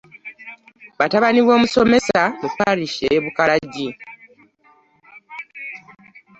Batabani b omusomesa mu Parish y'e Bukalagi.